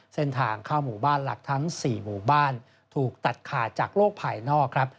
เส้นทางเข้าหมู่บ้านหลักทั้ง๔หมู่บ้านถูกตัดขาดจากโลกภายนอกครับ